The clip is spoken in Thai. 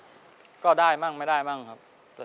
สวัสดีครับน้องเล่จากจังหวัดพิจิตรครับ